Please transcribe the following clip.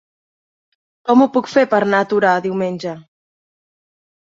Com ho puc fer per anar a Torà diumenge?